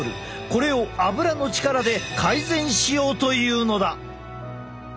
これをアブラの力で改善しようというのだ！